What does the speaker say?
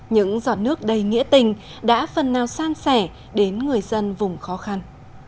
những giọt nước đầy nghĩa tình đã phần nào san sẻ đến người dân vùng khó khăn